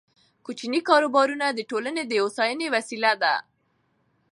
کوچني کاروبارونه د ټولنې د هوساینې وسیله ده.